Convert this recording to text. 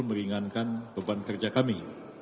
meringankan beban kerja kami